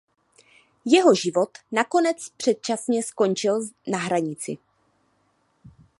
Jeho život nakonec předčasně skončil na hranici.